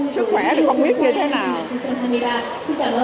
sức khỏe thì không biết như thế nào